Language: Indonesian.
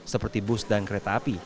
seperti bus dan kereta api